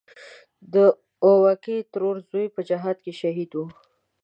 د اومکۍ ترور زوی په جهاد کې شهید و.